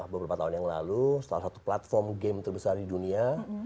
beberapa tahun yang lalu salah satu platform game terbesar di dunia